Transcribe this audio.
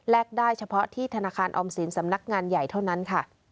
ได้เฉพาะที่ธนาคารออมสินสำนักงานใหญ่เท่านั้นค่ะ